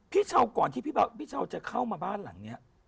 พี่เช้าก่อนที่พี่เช้าจะเข้ามาบ้านหลังนี้